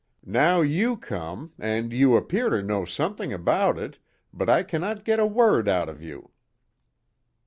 Now you come, and you appear to know something about it, but I cannot get a word out of you!"